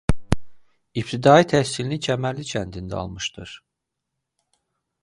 İbtidai təhsilini Kəmərli kəndində almışdır.